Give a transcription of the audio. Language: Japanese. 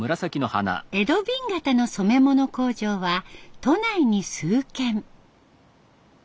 江戸紅型の染め物工場は都内に数軒。